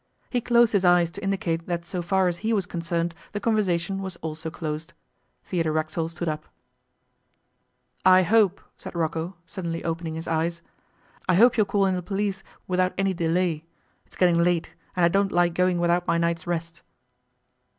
He closed his eyes to indicate that so far as he was concerned the conversation was also closed. Theodore Racksole stood up. 'I hope,' said Rocco, suddenly opening his eyes, 'I hope you'll call in the police without any delay. It's getting late, and I don't like going without my night's rest.